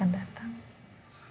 ob aja yang dijait jaitin